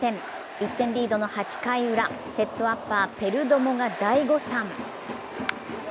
１点リードの８回ウラ、セットアッパー・ペルドモが大誤算。